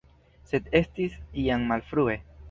Sed estis jam malfrue.